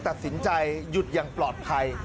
ตัดสินใจหยุดอย่างปลอดภัย